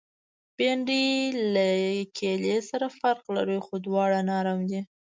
بېنډۍ له کیلې سره فرق لري، خو دواړه نرم دي